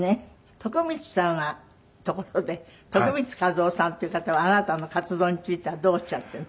徳光さんはところで徳光和夫さんっていう方はあなたの活動についてはどうおっしゃっているの？